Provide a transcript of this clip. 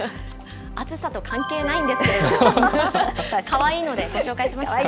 暑さと関係ないんですけれども、かわいいのでご紹介しました。